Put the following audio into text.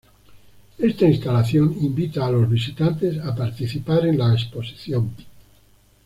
Esta instalación invita a los visitantes a participar en la exposición.